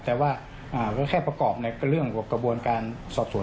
แต่ว่าก็แค่ประกอบในเรื่องกระบวนการสอบสวน